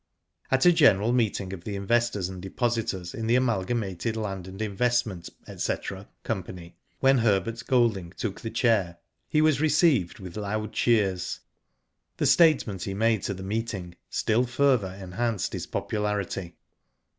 At a general meeting of the investors and depositors in the Amalgamated Land and Invest ment, &c., Company, when Herbert Golding took the chair, he was received with loud cheers. The statement he made to the meeting still further enhanced his popularity.